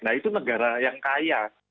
nah itu negara yang kaya